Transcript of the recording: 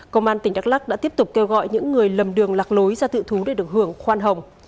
công an tỉnh đắk lắc đã tiếp tục kêu gọi những người lầm đường lạc lối ra tự thú để được hưởng khoan hồng